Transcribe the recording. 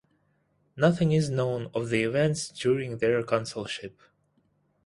Nothing is known of the events during their consulship.